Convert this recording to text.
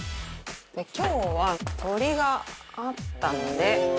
今日は鶏があったので。